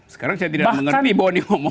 sekarang saya tidak mengerti bahwa